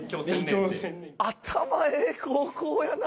頭ええ高校やな。